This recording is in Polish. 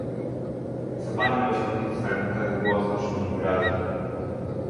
Za Pani pośrednictwem ten głos brzmi wyraźnie